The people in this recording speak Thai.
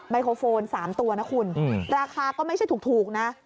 ไโครโฟน๓ตัวนะคุณราคาก็ไม่ใช่ถูกนะ